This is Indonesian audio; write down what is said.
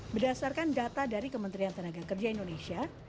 berdasarkan data dari kementerian tenaga kerja indonesia